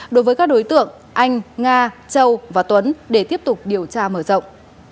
đối với các đối tượng anh nga châu và tuấn để tiếp tục điều tra mở rộng